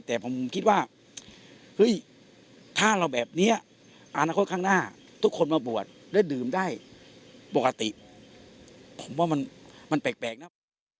แต่ผมคิดว่าเฮ้ยถ้าเราแบบนี้อนาคตข้างหน้าทุกคนมาบวชแล้วดื่มได้ปกติผมว่ามันแปลกนะ